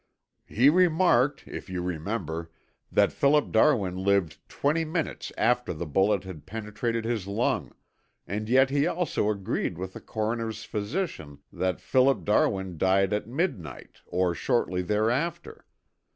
"He remarked, if you remember, that Philip Darwin lived twenty minutes after the bullet had penetrated his lung, and yet he also agreed with the coroner's physician that Philip Darwin died at midnight or shortly thereafter.